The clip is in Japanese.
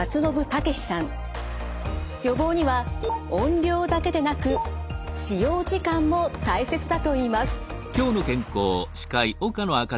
予防には音量だけでなく使用時間も大切だといいます。